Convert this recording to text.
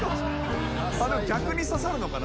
逆に刺さるのかな？